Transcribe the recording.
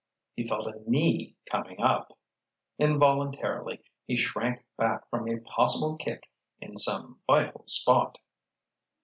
He felt a knee coming up. Involuntarily he shrank back from a possible kick in some vital spot.